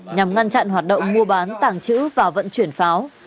nhằm ngăn chặn hoạt động mua bán tảng chữ và vận chuyển pháo